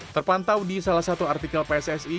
terpantau di salah satu artikel pssi